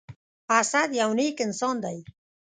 اسد يو نیک انسان دی.